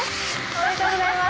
おめでとうございます。